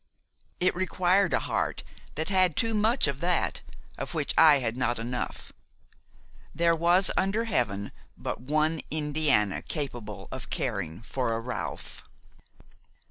It required a heart that had too much of that of which I had not enough. There was under Heaven but one Indiana capable of caring for a Ralph.